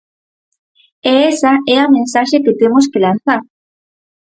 E esa é a mensaxe que temos que lanzar.